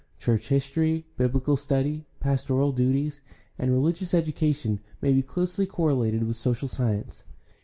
Church history, biblical study, pastoral duties, and religious education may be closely correlated with social science.